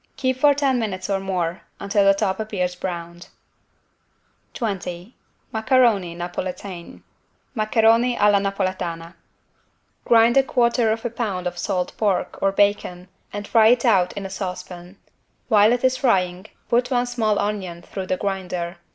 Keep for ten minutes or more, until the top appears browned. 20 MACARONI NAPOLITAINE (Maccheroni alla Napoletana) Grind 1/4 lb. salt pork or bacon and fry it out in a saucepan. While it is frying put one small onion through the grinder.